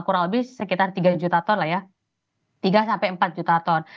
kurang lebih sekitar tiga juta ton lah ya tiga sampai empat juta ton